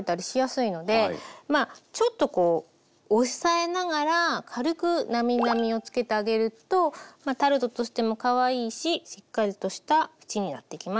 ちょっとこう押さえながら軽くなみなみをつけてあげるとまあタルトとしてもかわいいししっかりとした縁になっていきます。